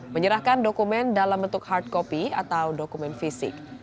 menyerahkan dokumen dalam bentuk hard copy atau dokumen fisik